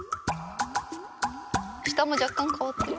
下も若干変わってる。